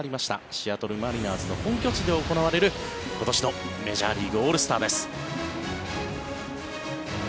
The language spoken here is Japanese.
シアトル・マリナーズの本拠地で行われる今年のメジャーリーグオールスターです。